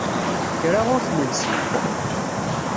Kra ur t-nelsi.